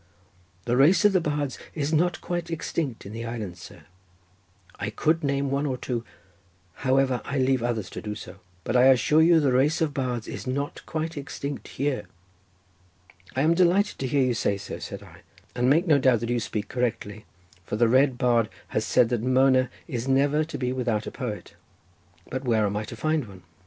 The race of the bards is not quite extinct in the island, sir, I could name one or two—however, I leave others to do so—but I assure you the race of bards is not quite extinct here." "I am delighted to hear you say so," said I, "and make no doubt that you speak correctly, for the Red Bard has said that Mona is never to be without a poet—but where am I to find one?